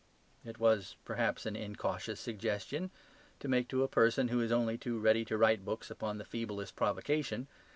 It was perhaps an incautious suggestion to make to a person only too ready to write books upon the feeblest provocation.